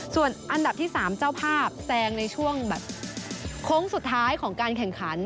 ส่วนอันดับที่๓เจ้าภาพแซงในช่วงแบบโค้งสุดท้ายของการแข่งขัน